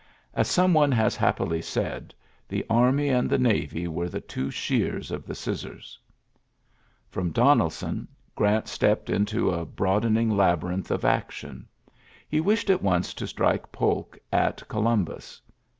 As some one has happily said, the army and the navy were the two shears of the scissors. I^m Donelson, Grant stepped into a broadening labyrinth of action. He wished at once to strike Polk at Colum bus.